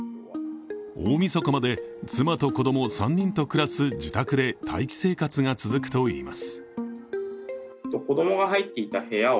大みそかまで妻と子供３人と暮らす自宅で待機生活が続くといいます。